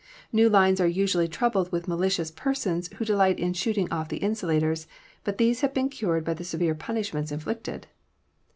New lines are usually troubled with malicious per sons who delight in shooting off the insulators, but these have been cured by the severe punishments inflicted.